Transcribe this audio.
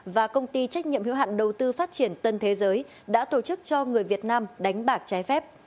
và công ty trách nhiệm hiếu hạn đầu tư phát triển tân thế giới đã tổ chức cho người việt nam đánh bạc trái phép